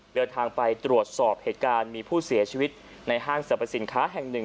เดินทางไปตรวจสอบเหตุการณ์มีผู้เสียชีวิตในห้างสรรพสินค้าแห่งหนึ่ง